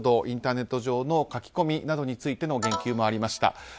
インターネット上の書き込みについての言及もありました。